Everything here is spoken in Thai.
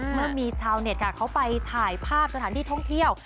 เมื่อมีชาวเน็ตค่ะเขาไปถ่ายภาพสถานที่ท่องเที่ยว